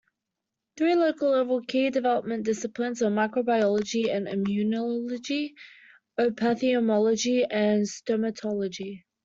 Three Local-level Key Development Disciplines are Microbiology and Immunology, Ophthalmology and Stomatology.